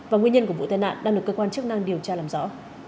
và nguyên nhân của vụ tai nạn đang được cơ quan chức năng điều tra làm rõ